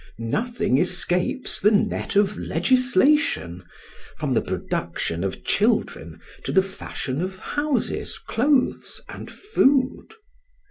Nothing escapes the net of legislation, from the production of children to the fashion of houses, clothes, and food.